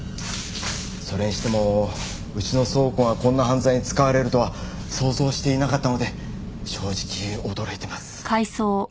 それにしてもうちの倉庫がこんな犯罪に使われるとは想像していなかったので正直驚いてます。